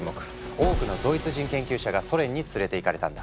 多くのドイツ人研究者がソ連に連れていかれたんだ。